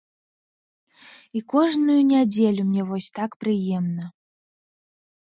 І кожную нядзелю мне вось так прыемна.